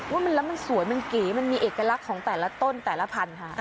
ว่ามันแล้วมันสวยมันเก๋มันมีเอกลักษณ์ของแต่ละต้นแต่ละพันธุ์ค่ะ